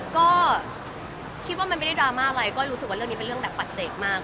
ก็คิดว่าทีนี้ไม่ได้ดาร์มาอะไรก็เลยรู้สึกว่าเรื่องมันแบบบัดเจชมาก